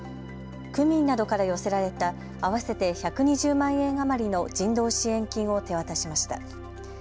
区民などから寄せられた合わせて１２０万円余りの人道支援金を手渡しました。